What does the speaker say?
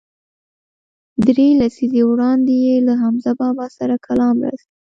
درې لسیزې وړاندې یې له حمزه بابا سره کلام راځي.